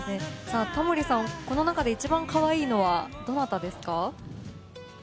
タモリさん、この中で一番可愛いのはどなたですか？